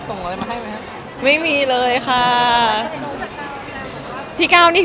อเรนนี่สังหรับพี่อาจารย์